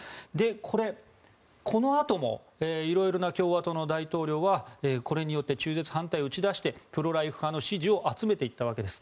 これ、このあともいろいろな共和党の大統領はこれによって中絶反対を打ち出してプロ・ライフ派の支持を集めていったわけです。